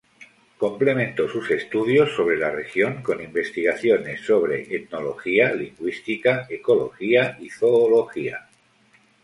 Complementó sus estudios sobre la región con investigaciones sobre etnología, lingüística, ecología y zoología.